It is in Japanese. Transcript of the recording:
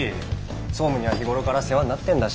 総務には日頃から世話になってんだし。